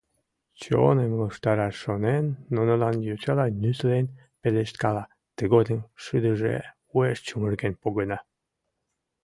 Чоным луштараш шонен, нунылан йочала нюслен пелешткала, тыгодым шыдыже уэш чумырген погына.